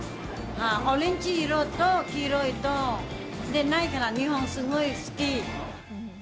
オレンジ色と黄色と、ないから、日本すごい好き。